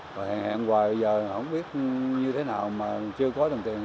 rồi hẹn hẹn hoài bây giờ không biết như thế nào mà chưa có đồng tiền